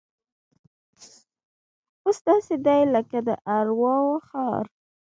اوس داسې دی لکه د ارواو ښار.